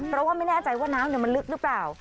เพราะว่าไม่แน่ใจว่าน้ำมันลึกหรือเปล่า